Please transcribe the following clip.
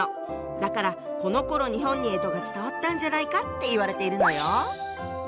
だからこのころ日本に干支が伝わったんじゃないかっていわれているのよ。